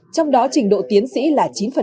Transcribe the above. trong đó trình độ tiến sĩ là chín